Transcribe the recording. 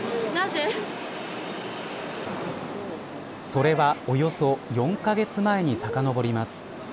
それは、およそ４カ月前にさかのぼります。